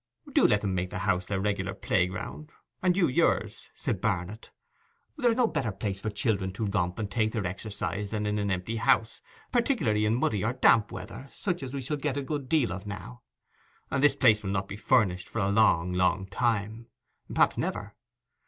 'Do let them make the house their regular playground, and you yours,' said Barnet. 'There is no better place for children to romp and take their exercise in than an empty house, particularly in muddy or damp weather such as we shall get a good deal of now; and this place will not be furnished for a long long time—perhaps never.